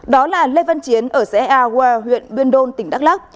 đó là lê văn chiến ở xe a qua huyện buôn đôn tỉnh đắk lắc